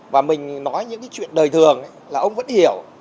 và mình nói những cái chuyện đời thường là ông vẫn hiểu